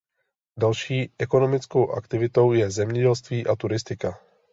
Další ekonomickou aktivitou je zemědělství a turistika.